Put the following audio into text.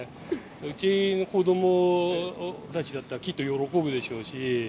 うちの子どもたちだったらきっと喜ぶでしょうし。